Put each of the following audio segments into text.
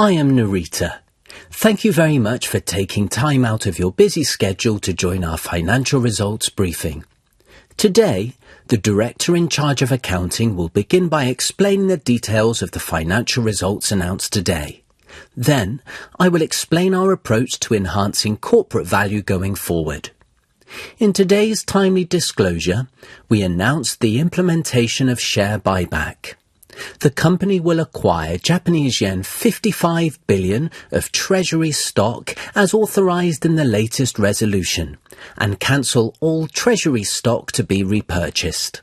I am Narita. Thank you very much for taking time out of your busy schedule to join our financial results briefing. Today, the director in charge of accounting will begin by explaining the details of the financial results announced today. I will explain our approach to enhancing corporate value going forward. In today's timely disclosure, we announced the implementation of share buyback. The company will acquire Japanese yen 55 billion of treasury stock as authorized in the latest resolution and cancel all treasury stock to be repurchased.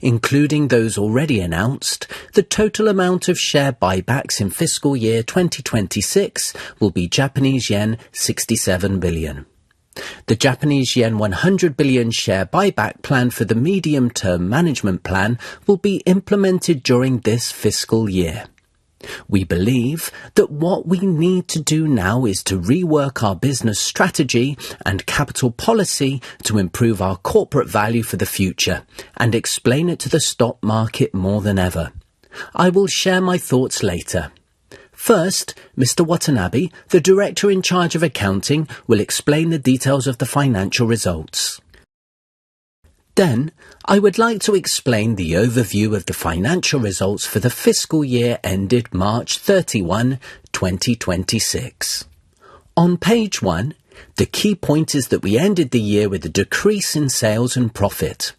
Including those already announced, the total amount of share buybacks in FY 2026 will be Japanese yen 67 billion. The Japanese yen 100 billion share buyback plan for the medium-term management plan will be implemented during this fiscal year. We believe that what we need to do now is to rework our business strategy and capital policy to improve our corporate value for the future and explain it to the stock market more than ever. I will share my thoughts later. First, Mr. Watanabe, the director in charge of accounting, will explain the details of the financial results. I would like to explain the overview of the financial results for the fiscal year ended March 31, 2026. On page one, the key point is that we ended the year with a decrease in sales and profit.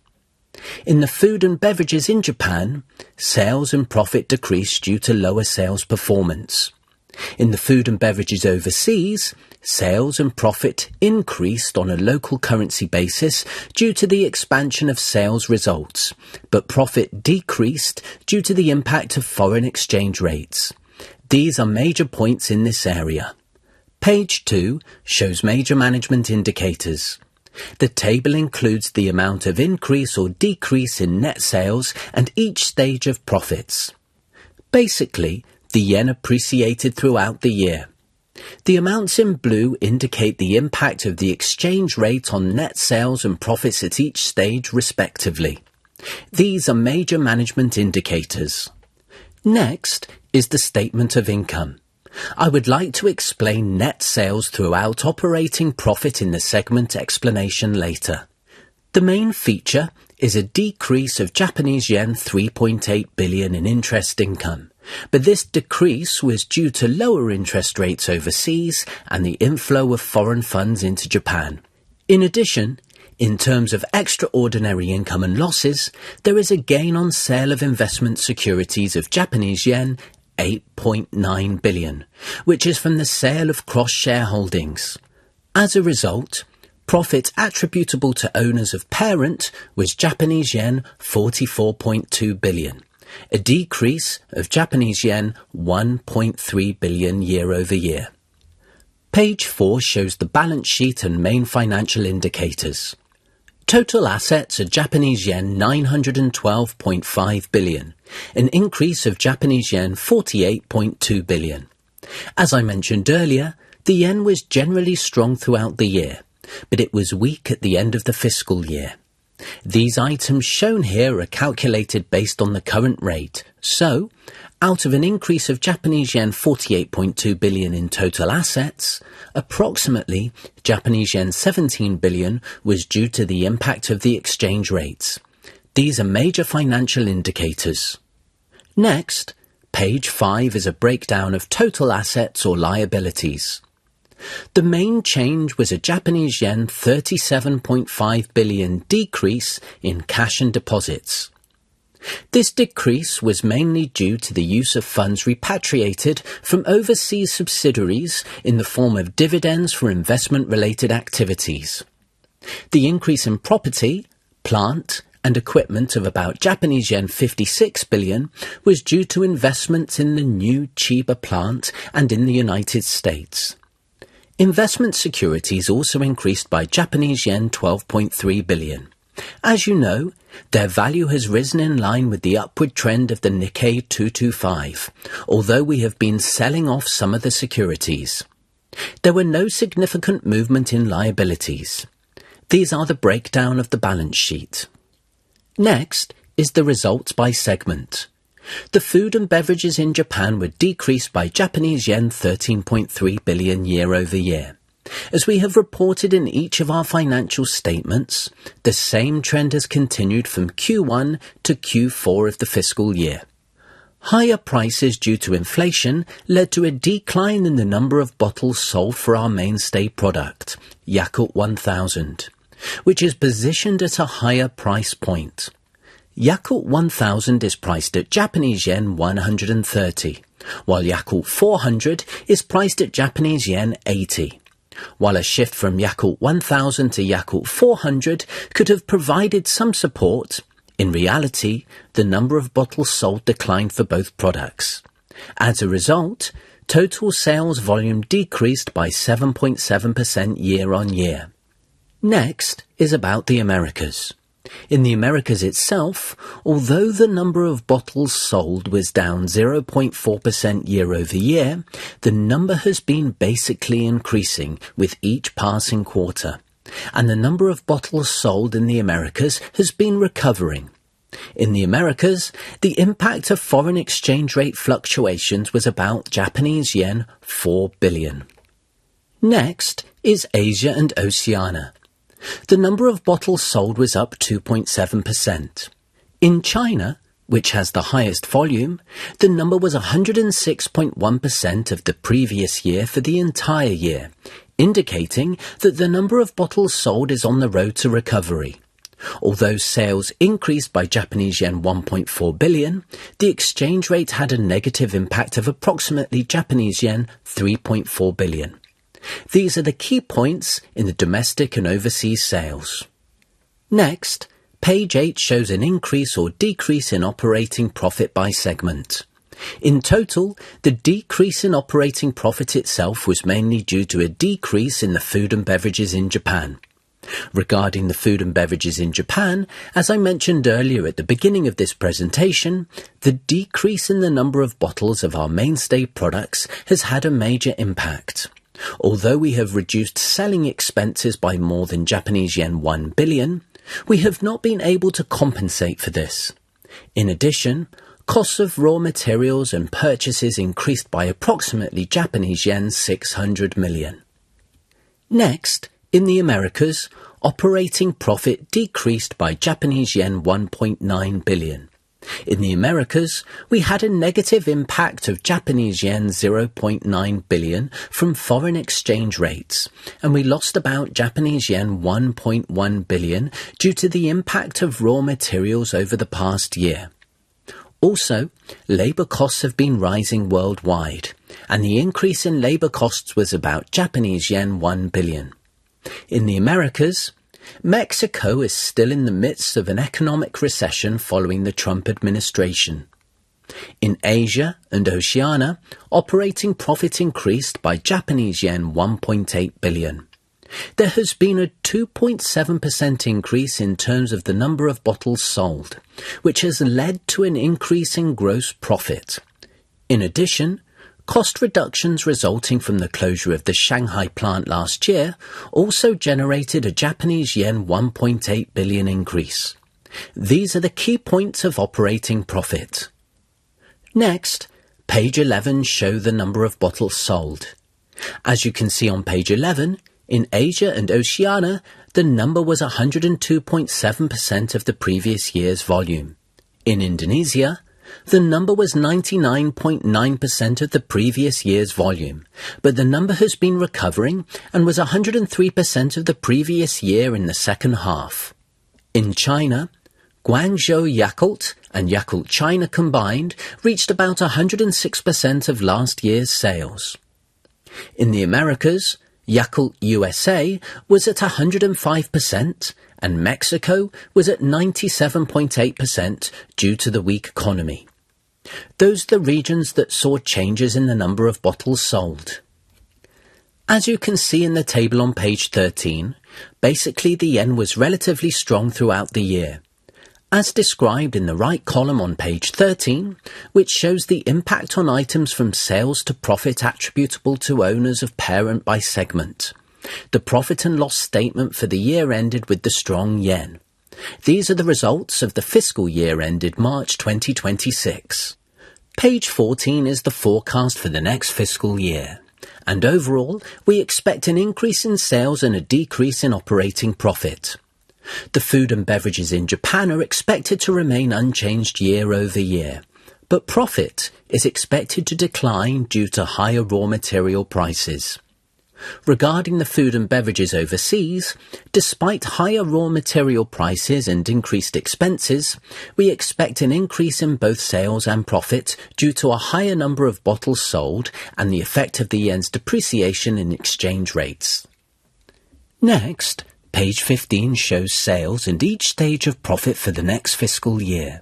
In the food and beverages in Japan, sales and profit decreased due to lower sales performance. In the food and beverages overseas, sales and profit increased on a local currency basis due to the expansion of sales results, but profit decreased due to the impact of foreign exchange rates. These are major points in this area. Page two shows major management indicators. The table includes the amount of increase or decrease in net sales and each stage of profits. Basically, the yen appreciated throughout the year. The amounts in blue indicate the impact of the exchange rate on net sales and profits at each stage, respectively. These are major management indicators. Next is the statement of income. I would like to explain net sales throughout operating profit in the segment explanation later. The main feature is a decrease of Japanese yen 3.8 billion in interest income. This decrease was due to lower interest rates overseas and the inflow of foreign funds into Japan. In addition, in terms of extraordinary income and losses, there is a gain on sale of investment securities of Japanese yen 8.9 billion, which is from the sale of cross-share holdings. As a result, profit attributable to owners of parent was Japanese yen 44.2 billion, a decrease of Japanese yen 1.3 billion year-over-year. Page four shows the balance sheet and main financial indicators. Total assets are Japanese yen 912.5 billion, an increase of Japanese yen 48.2 billion. As I mentioned earlier, the yen was generally strong throughout the year, but it was weak at the end of the fiscal year. These items shown here are calculated based on the current rate. Out of an increase of Japanese yen 48.2 billion in total assets, approximately Japanese yen 17 billion was due to the impact of the exchange rates. These are major financial indicators. Next, page five is a breakdown of total assets or liabilities. The main change was a Japanese yen 37.5 billion decrease in cash and deposits. This decrease was mainly due to the use of funds repatriated from overseas subsidiaries in the form of dividends for investment-related activities. The increase in property, plant, and equipment of about Japanese yen 56 billion was due to investments in the new Chiba plant and in the U.S. Investment securities also increased by Japanese yen 12.3 billion. As you know, their value has risen in line with the upward trend of the Nikkei 225, although we have been selling off some of the securities. There were no significant movement in liabilities. These are the breakdown of the balance sheet. Next is the results by segment. The food and beverages in Japan were decreased by Japanese yen 13.3 billion year-over-year. As we have reported in each of our financial statements, the same trend has continued from Q1 to Q4 of the fiscal year. Higher prices due to inflation led to a decline in the number of bottles sold for our mainstay product, Yakult 1000, which is positioned at a higher price point. Yakult 1000 is priced at Japanese yen 130, while Yakult 400 is priced at Japanese yen 80. While a shift from Yakult 1000 to Yakult 400 could have provided some support, in reality, the number of bottles sold declined for both products. As a result, total sales volume decreased by 7.7% year-on-year. Next is about the Americas. In the Americas itself, although the number of bottles sold was down 0.4% year-over-year, the number has been basically increasing with each passing quarter. The number of bottles sold in the Americas has been recovering. In the Americas, the impact of foreign exchange rate fluctuations was about Japanese yen 4 billion. Next is Asia and Oceania. The number of bottles sold was up 2.7%. In China, which has the highest volume, the number was 106.1% of the previous year for the entire year, indicating that the number of bottles sold is on the road to recovery. Although sales increased by Japanese yen 1.4 billion, the exchange rate had a negative impact of approximately Japanese yen 3.4 billion. These are the key points in the domestic and overseas sales. Next, page eight shows an increase or decrease in operating profit by segment. In total, the decrease in operating profit itself was mainly due to a decrease in the food and beverages in Japan. Regarding the food and beverages in Japan, as I mentioned earlier at the beginning of this presentation, the decrease in the number of bottles of our mainstay products has had a major impact. Although we have reduced selling expenses by more than Japanese yen 1 billion, we have not been able to compensate for this. In addition, costs of raw materials and purchases increased by approximately Japanese yen 600 million. Next, in the Americas, operating profit decreased by Japanese yen 1.9 billion. In the Americas, we had a negative impact of Japanese yen 0.9 billion from foreign exchange rates, and we lost about Japanese yen 1.1 billion due to the impact of raw materials over the past year. Also, labor costs have been rising worldwide, and the increase in labor costs was about Japanese yen 1 billion. In the Americas, Mexico is still in the midst of an economic recession following the Trump administration. In Asia and Oceania, operating profit increased by Japanese yen 1.8 billion. There has been a 2.7% increase in terms of the number of bottles sold, which has led to an increase in gross profit. In addition, cost reductions resulting from the closure of the Shanghai plant last year also generated a Japanese yen 1.8 billion increase. These are the key points of operating profit. Next, page 11 show the number of bottles sold. As you can see on page 11, in Asia and Oceania, the number was 102.7% of the previous year's volume. In Indonesia, the number was 99.9% of the previous year's volume, but the number has been recovering and was 103% of the previous year in the second half. In China, Guangzhou Yakult and Yakult China combined reached about 106% of last year's sales. In the Americas, Yakult U.S.A. was at 105% and Mexico was at 97.8% due to the weak economy. Those are the regions that saw changes in the number of bottles sold. As you can see in the table on page 13, basically, the yen was relatively strong throughout the year. As described in the right column on page 13, which shows the impact on items from sales to profit attributable to owners of parent by segment, the profit and loss statement for the year ended with the strong yen. These are the results of the fiscal year ended March 2026. Page 14 is the forecast for the next fiscal year, and overall, we expect an increase in sales and a decrease in operating profit. The food and beverages in Japan are expected to remain unchanged year-over-year, but profit is expected to decline due to higher raw material prices. Regarding the food and beverages overseas, despite higher raw material prices and increased expenses, we expect an increase in both sales and profit due to a higher number of bottles sold and the effect of the yen's depreciation in exchange rates. Next, page 15 shows sales and each stage of profit for the next fiscal year.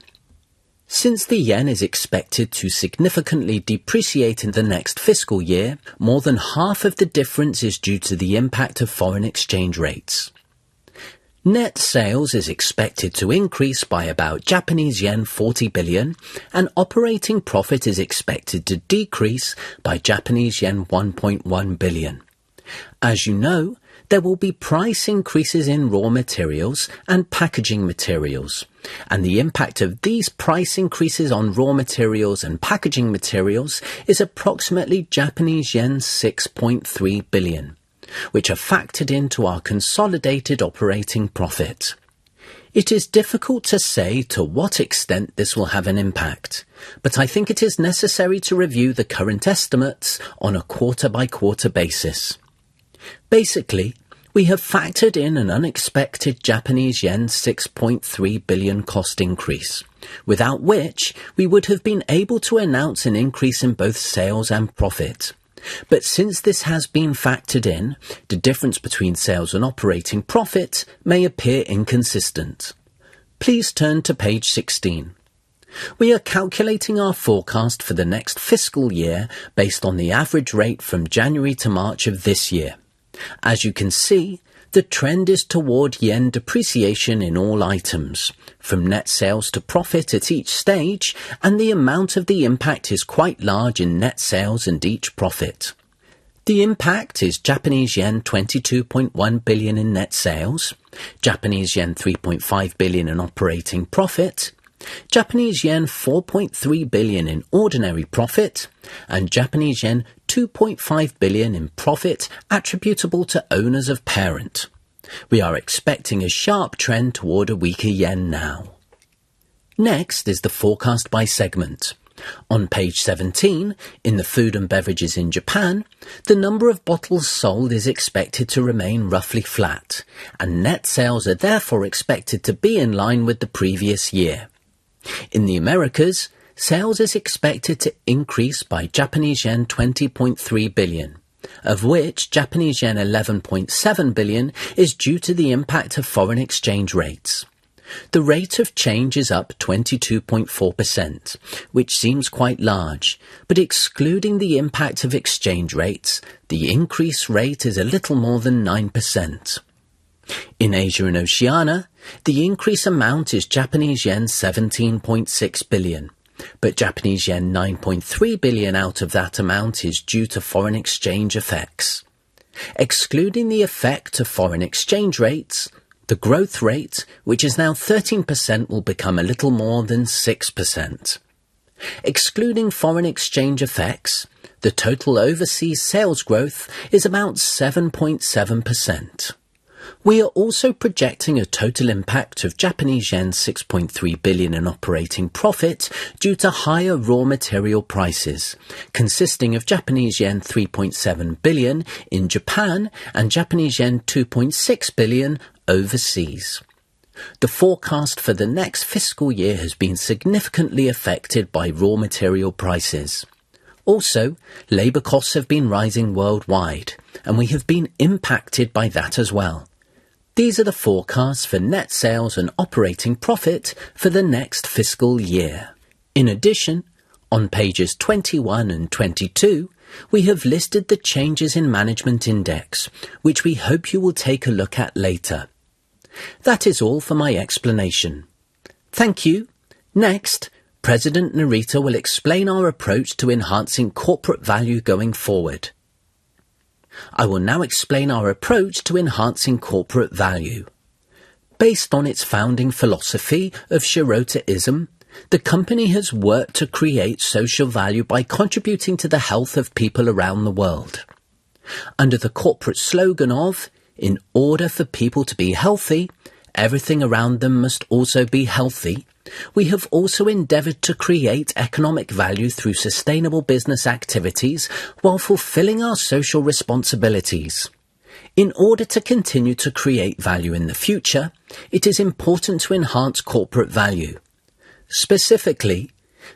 Since the yen is expected to significantly depreciate in the next fiscal year, more than half of the difference is due to the impact of foreign exchange rates. Net sales is expected to increase by about Japanese yen 40 billion, and operating profit is expected to decrease by Japanese yen 1.1 billion. As you know, there will be price increases in raw materials and packaging materials, and the impact of these price increases on raw materials and packaging materials is approximately Japanese yen 6.3 billion, which are factored into our consolidated operating profit. It is difficult to say to what extent this will have an impact, but I think it is necessary to review the current estimates on a quarter-by-quarter basis. Basically, we have factored in an unexpected Japanese yen 6.3 billion cost increase, without which we would have been able to announce an increase in both sales and profit. Since this has been factored in, the difference between sales and operating profit may appear inconsistent. Please turn to page 16. We are calculating our forecast for the next fiscal year based on the average rate from January to March of this year. As you can see, the trend is toward yen depreciation in all items, from net sales to profit at each stage, and the amount of the impact is quite large in net sales and each profit. The impact is Japanese yen 22.1 billion in net sales, Japanese yen 3.5 billion in operating profit, Japanese yen 4.3 billion in ordinary profit, and Japanese yen 2.5 billion in profit attributable to owners of parent. We are expecting a sharp trend toward a weaker yen now. Next is the forecast by segment. On page 17, in the food and beverages in Japan, the number of bottles sold is expected to remain roughly flat, and net sales are therefore expected to be in line with the previous year. In the Americas, sales is expected to increase by Japanese yen 20.3 billion, of which Japanese yen 11.7 billion is due to the impact of foreign exchange rates. The rate of change is up 22.4%, which seems quite large, but excluding the impact of exchange rates, the increase rate is a little more than 9%. In Asia and Oceania, the increase amount is Japanese yen 17.6 billion. Japanese yen 9.3 billion out of that amount is due to foreign exchange effects. Excluding the effect of foreign exchange rates, the growth rate, which is now 13%, will become a little more than 6%. Excluding foreign exchange effects, the total overseas sales growth is about 7.7%. We are also projecting a total impact of Japanese yen 6.3 billion in operating profit due to higher raw material prices, consisting of Japanese yen 3.7 billion in Japan and Japanese yen 2.6 billion overseas. The forecast for the next fiscal year has been significantly affected by raw material prices. Labor costs have been rising worldwide, and we have been impacted by that as well. These are the forecasts for net sales and operating profit for the next fiscal year. In addition, on pages 21 and 22, we have listed the changes in management index, which we hope you will take a look at later. That is all for my explanation. Thank you. Next, President Narita will explain our approach to enhancing corporate value going forward. I will now explain our approach to enhancing corporate value. Based on its founding philosophy of Shirota-ism, the company has worked to create social value by contributing to the health of people around the world. Under the corporate slogan of, "In order for people to be healthy, everything around them must also be healthy," we have also endeavored to create economic value through sustainable business activities while fulfilling our social responsibilities. In order to continue to create value in the future, it is important to enhance corporate value. Specifically,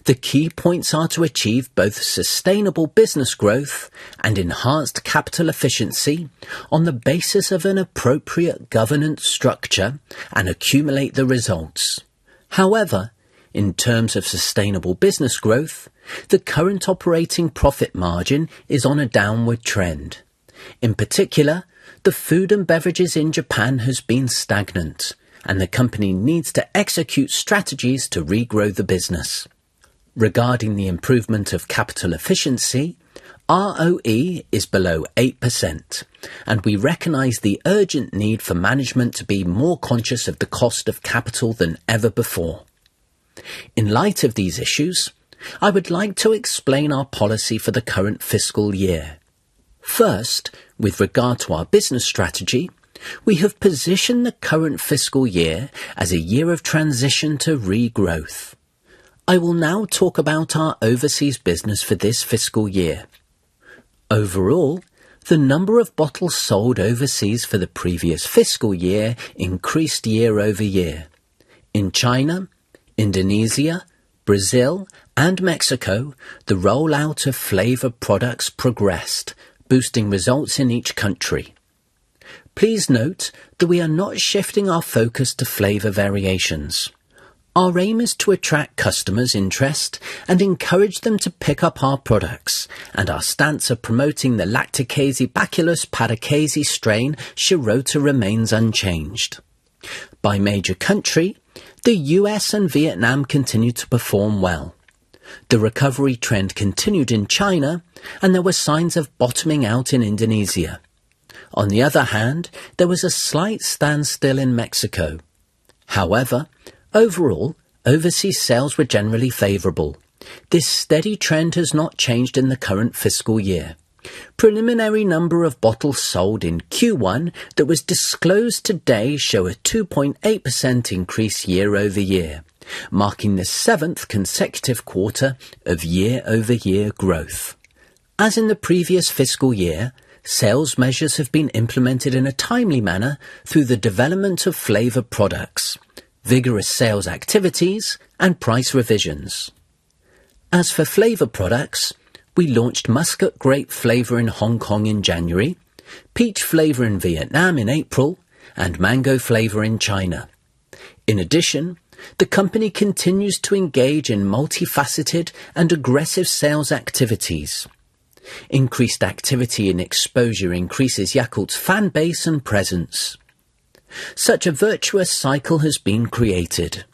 the key points are to achieve both sustainable business growth and enhanced capital efficiency on the basis of an appropriate governance structure and accumulate the results. However, in terms of sustainable business growth, the current operating profit margin is on a downward trend. In particular, the food and beverages in Japan has been stagnant, and the company needs to execute strategies to regrow the business. Regarding the improvement of capital efficiency, ROE is below 8%, and we recognize the urgent need for management to be more conscious of the cost of capital than ever before. In light of these issues, I would like to explain our policy for the current fiscal year. First, with regard to our business strategy, we have positioned the current fiscal year as a year of transition to regrowth. I will now talk about our overseas business for this fiscal year. Overall, the number of bottles sold overseas for the previous fiscal year increased year-over-year. In China, Indonesia, Brazil, and Mexico, the rollout of flavor products progressed, boosting results in each country. Please note that we are not shifting our focus to flavor variations. Our aim is to attract customers' interest and encourage them to pick up our products, and our stance of promoting the Lacticaseibacillus paracasei strain Shirota remains unchanged. By major country, the U.S. and Vietnam continued to perform well. The recovery trend continued in China, and there were signs of bottoming out in Indonesia. On the other hand, there was a slight standstill in Mexico. Overall, overseas sales were generally favorable. This steady trend has not changed in the current fiscal year. Preliminary number of bottles sold in Q1 that was disclosed today show a 2.8% increase year-over-year, marking the seventh consecutive quarter of year-over-year growth. As in the previous fiscal year, sales measures have been implemented in a timely manner through the development of flavor products, vigorous sales activities, and price revisions. As for flavor products, we launched Muscat Grape flavor in Hong Kong in January, peach flavor in Vietnam in April, and mango flavor in China. The company continues to engage in multifaceted and aggressive sales activities. Increased activity and exposure increases Yakult's fan base and presence. Such a virtuous cycle has been created.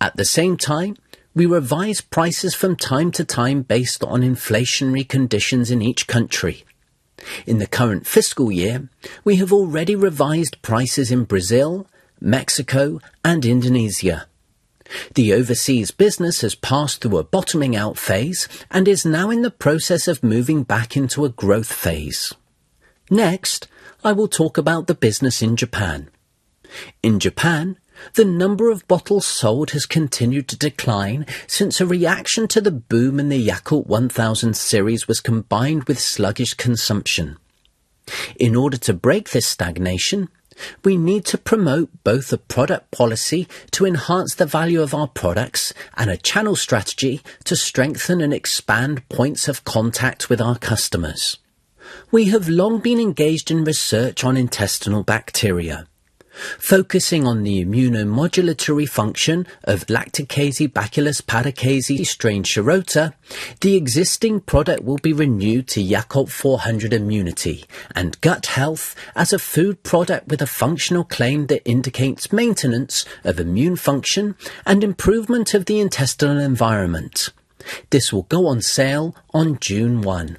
At the same time, we revise prices from time to time based on inflationary conditions in each country. In the current fiscal year, we have already revised prices in Brazil, Mexico, and Indonesia. The overseas business has passed through a bottoming out phase and is now in the process of moving back into a growth phase. I will talk about the business in Japan. In Japan, the number of bottles sold has continued to decline since a reaction to the boom in the Yakult 1000 series was combined with sluggish consumption. In order to break this stagnation, we need to promote both a product policy to enhance the value of our products and a channel strategy to strengthen and expand points of contact with our customers. We have long been engaged in research on intestinal bacteria, focusing on the immunomodulatory function of Lacticaseibacillus paracasei strain Shirota, the existing product will be renewed to Yakult 400 Immunity Gut Care as a food product with a functional claim that indicates maintenance of immune function and improvement of the intestinal environment. This will go on sale on June 1.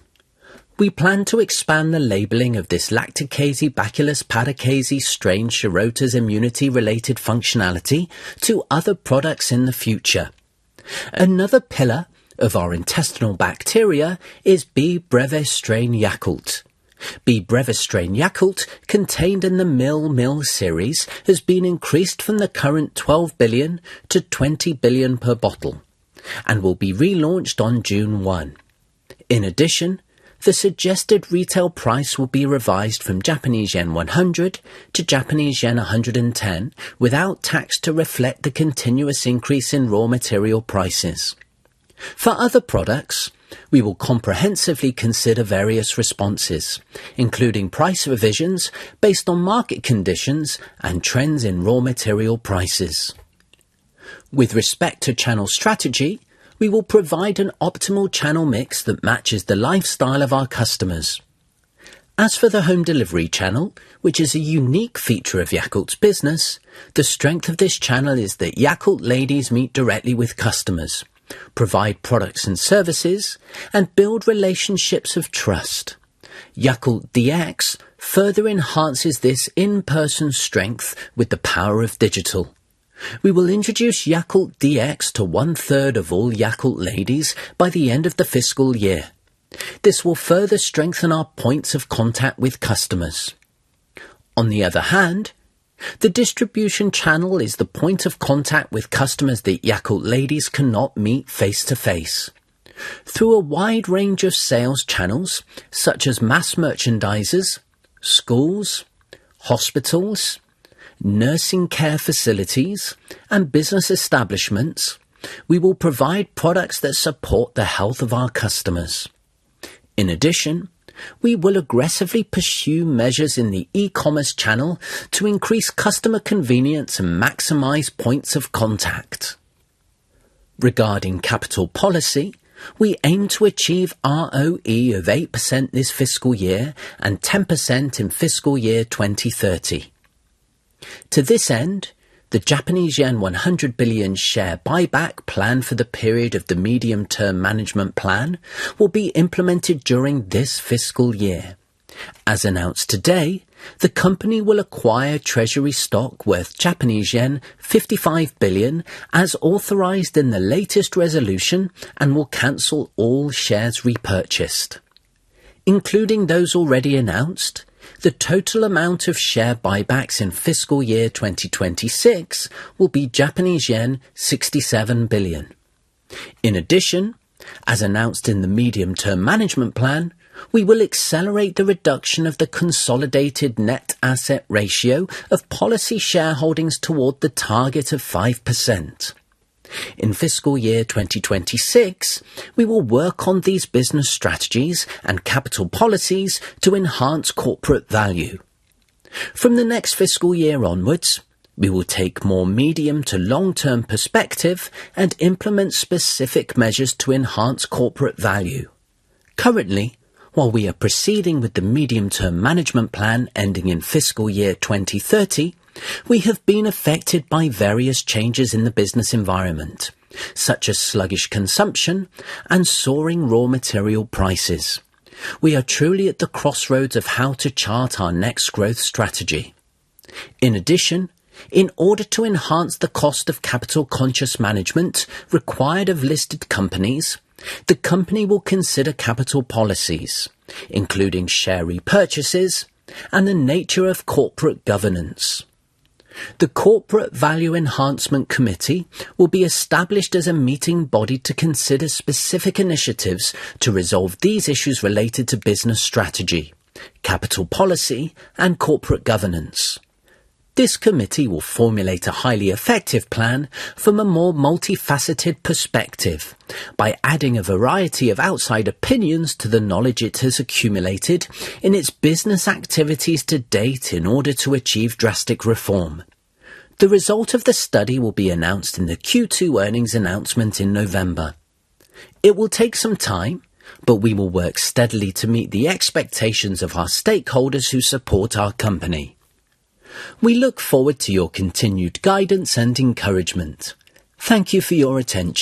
We plan to expand the labeling of this Lacticaseibacillus paracasei strain Shirota's immunity-related functionality to other products in the future. Another pillar of our intestinal bacteria is Bifidobacterium breve strain Yakult. Bifidobacterium breve strain Yakult, contained in the Mil-Mil series, has been increased from the current 12 billion to 20 billion per bottle and will be relaunched on June 1. The suggested retail price will be revised from Japanese yen 100 to Japanese yen 110 without tax to reflect the continuous increase in raw material prices. For other products, we will comprehensively consider various responses, including price revisions based on market conditions and trends in raw material prices. With respect to channel strategy, we will provide an optimal channel mix that matches the lifestyle of our customers. As for the home delivery channel, which is a unique feature of Yakult's business, the strength of this channel is that Yakult Ladies meet directly with customers, provide products and services, and build relationships of trust. Yakult DX further enhances this in-person strength with the power of digital. We will introduce Yakult DX to one-third of all Yakult Ladies by the end of the fiscal year. This will further strengthen our points of contact with customers. On the other hand, the distribution channel is the point of contact with customers that Yakult Ladies cannot meet face-to-face. Through a wide range of sales channels such as mass merchandisers, schools, hospitals, nursing care facilities, and business establishments, we will provide products that support the health of our customers. In addition, we will aggressively pursue measures in the e-commerce channel to increase customer convenience and maximize points of contact. Regarding capital policy, we aim to achieve ROE of 8% this fiscal year and 10% in fiscal year 2030. To this end, the Japanese yen 100 billion share buyback plan for the period of the medium-term management plan will be implemented during this fiscal year. As announced today, the company will acquire treasury stock worth Japanese yen 55 billion as authorized in the latest resolution and will cancel all shares repurchased. Including those already announced, the total amount of share buybacks in fiscal year 2026 will be Japanese yen 67 billion. In addition, as announced in the medium-term management plan, we will accelerate the reduction of the consolidated net asset ratio of policy shareholdings toward the target of 5%. In fiscal year 2026, we will work on these business strategies and capital policies to enhance corporate value. From the next fiscal year onwards, we will take more medium to long-term perspective and implement specific measures to enhance corporate value. Currently, while we are proceeding with the medium-term management plan ending in fiscal year 2030, we have been affected by various changes in the business environment, such as sluggish consumption and soaring raw material prices. We are truly at the crossroads of how to chart our next growth strategy. In addition, in order to enhance the cost of capital conscious management required of listed companies, the company will consider capital policies, including share repurchases and the nature of corporate governance. The Corporate Value Enhancement Committee will be established as a meeting body to consider specific initiatives to resolve these issues related to business strategy, capital policy, and corporate governance. This committee will formulate a highly effective plan from a more multifaceted perspective by adding a variety of outside opinions to the knowledge it has accumulated in its business activities to date in order to achieve drastic reform. The result of the study will be announced in the Q2 earnings announcement in November. It will take some time, but we will work steadily to meet the expectations of our stakeholders who support our company. We look forward to your continued guidance and encouragement. Thank you for your attention.